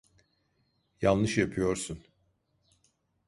Yanlış yapıyorsun.